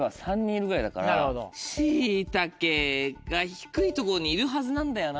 シイタケが低いとこにいるはずなんだよな。